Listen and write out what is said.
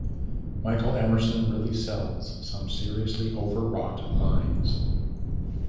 Michael Emerson really sells some seriously overwrought lines.